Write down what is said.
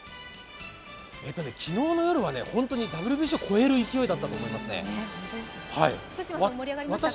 昨日の夜は本当にＷＢＣを超える勢いだったと思いますね。